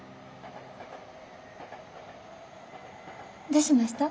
どうしました？